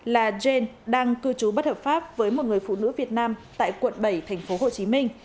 là jane đang cư trú bất hợp pháp với một người phụ nữ việt nam tại quận bảy tp hcm